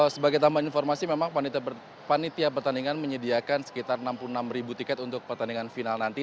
sebagai tambahan informasi memang panitia pertandingan menyediakan sekitar enam puluh enam ribu tiket untuk pertandingan final nanti